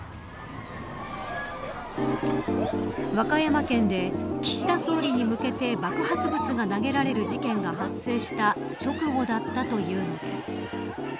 和歌山県で岸田総理に向けて爆発物が投げられる事件が発生した直後だったというのです。